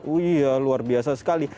iya luar biasa sekali